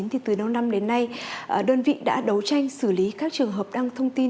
hãy đăng ký kênh để ủng hộ kênh của chúng tôi